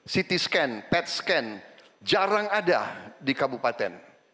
ct scan pet scan jarang ada di kabupaten